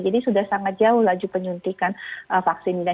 jadi sudah sangat jauh laju penyuntikan vaksin ini